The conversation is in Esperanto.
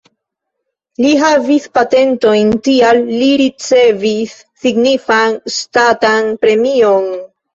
Li havis patentojn, tial li ricevis signifan ŝtatan premion.